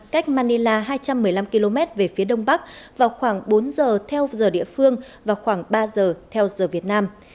cách manila hai trăm một mươi năm km về phía đông bắc vào khoảng bốn giờ theo giờ địa phương vào khoảng ba giờ theo giờ việt nam